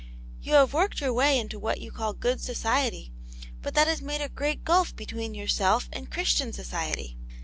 You have worked your way into what you call good society, but that has made a great gulf between your self and Christian society.